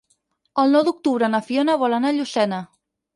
El nou d'octubre na Fiona vol anar a Llucena.